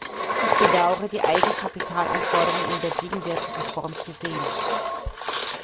Ich bedauere, die Eigenkapitalanforderungen in der gegenwärtigen Form zu sehen.